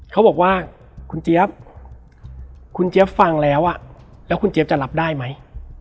เขาบอกว่าคุณเจี๊ยบคุณเจี๊ยบฟังแล้วแล้วคุณเจี๊ยบจะรับได้ไหม